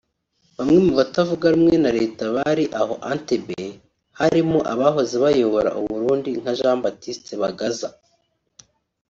Bamwe mu batavuga rumwe na leta bari aho Entebbe harimo abahoze bayobora u Burundi nka Jean Baptiste Bagaza